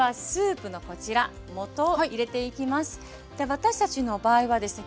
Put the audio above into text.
私たちの場合はですね